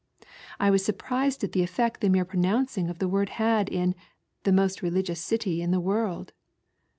I was surprised at the effect the mere pronouncing of the word had in " the most religious city in the world."